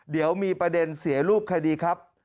เดี๋ยวมีประเด็นเสียรูปคดีครับ